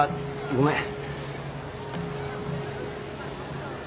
ごめん。